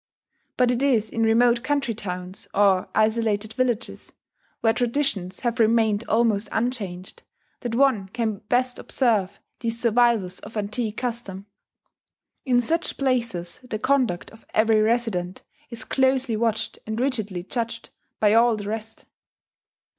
But it is in remote country towns or isolated villages, where traditions have remained almost unchanged, that one can best observe these survivals of antique custom. In such places the conduct of every resident is closely watched and rigidly judged by all the rest.